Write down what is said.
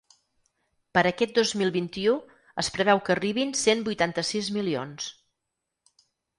Per aquest dos mil vint-i-u, es preveu que arribin cent vuitanta-sis milions.